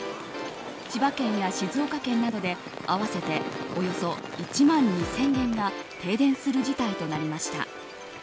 千葉県や静岡県などで合わせておよそ１万２０００軒が停電する事態となりました。